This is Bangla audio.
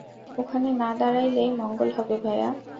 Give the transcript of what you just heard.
ওখানে না দাঁড়ালেই মঙ্গল হবে, ভায়া।